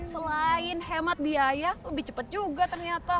selain hemat biaya lebih cepat juga ternyata